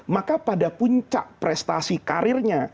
maka pada puncak prestasi karirnya